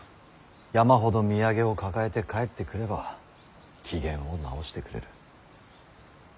山ほど土産を抱えて帰ってくれば機嫌を直してくれる。